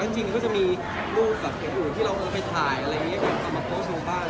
จริงก็จะมีรูปบาปที่เราประโยชน์ไปถ่ายที่จะมาโค้ชบ้าน